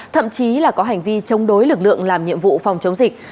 thậm chí là có hành vi chống đối lực lượng làm nhiệm vụ phòng chống dịch